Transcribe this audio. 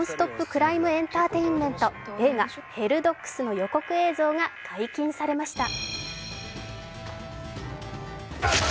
・クライム・エンターテインメント、映画「ヘルドッグス」の予告映像が解禁されました。